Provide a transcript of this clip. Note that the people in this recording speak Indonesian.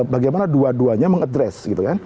bagaimana dua duanya mengadres